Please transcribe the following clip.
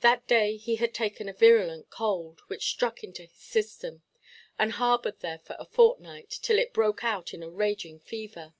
That day he had taken a virulent cold, which struck into his system, and harboured there for a fortnight, till it broke out in a raging fever.